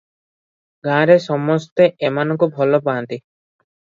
ଗାଁରେ ସମସ୍ତେ ଏମାନଙ୍କୁ ଭଲ ପାନ୍ତି ।